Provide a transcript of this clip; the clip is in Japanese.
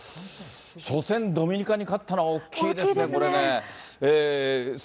初戦、ドミニカに勝ったのは、大きいですね、大きいです。